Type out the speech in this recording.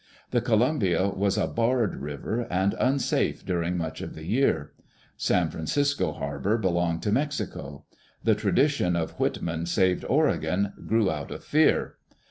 The Columbia was a " barred river," and unsafe during much of the year. San Francisco harbor belcmged to Mexico. The tradition of " Whitman saved Oregon grew out of fear.